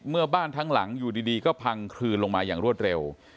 เมื่อบ้านทั้งหลังอยู่ดีก็พังคลืนลงมาอย่างรวดเร็ว